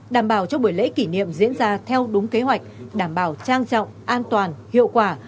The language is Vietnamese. đảm bảo cho buổi lễ kỷ niệm diễn ra theo đúng kế hoạch đảm bảo trang trọng an toàn hiệu quả